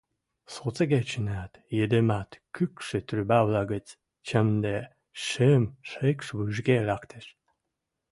Сотыгечӹнӓт-йыдымат кӱкшӹ трубавлӓ гӹц чӹмде шим шӹкш вужге лӓктеш.